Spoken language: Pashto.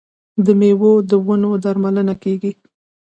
د میوو د ونو درملنه کیږي.